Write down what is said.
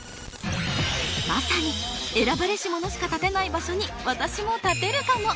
まさに選ばれし者しか立てない場所に私も立てるかも？